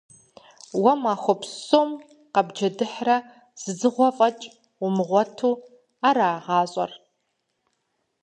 Уэ махуэ псом къэбджэдыхьрэ зы дзыгъуэ фӀэкӀ умыгъуэту, ара гъащӀэр?